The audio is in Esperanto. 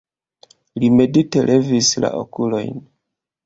Li medite levis la okulojn.